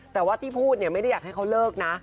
แต่ว่าที่พูดเนี่ยไม่ได้อยากให้เขาเลิกนะ